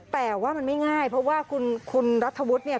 แต่ว่ามันไม่ง่ายเพราะว่าคุณรัฐวุฒิเนี่ย